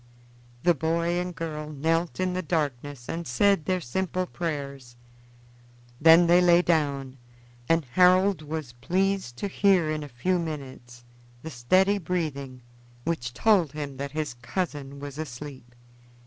The boy and girl knelt in the darkness and said their simple prayers. Then they lay down, and Harold was pleased to hear in a few minutes the steady breathing which told him that his cousin was asleep.